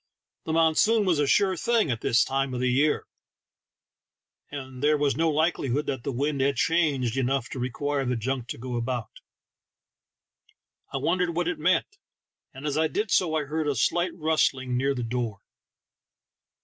The monsoon was a sure thing at that season of the year, and there was no likelihood that the wind had changed enough to require the junk to go about. I won dered what it meant, and as I did so I heard a slight rustling near the door.